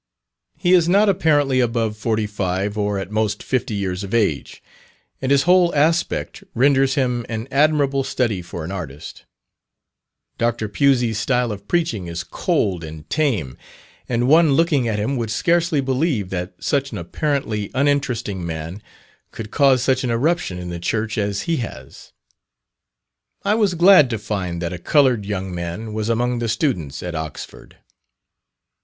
He is not apparently above forty five, or at most fifty years of age, and his whole aspect renders him an admirable study for an artist. Dr. Pusey's style of preaching is cold and tame, and one looking at him would scarcely believe that such an apparently uninteresting man could cause such an eruption in the Church as he has. I was glad to find that a coloured young man was among the students at Oxford.